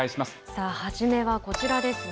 さあ、初めはこちらですね。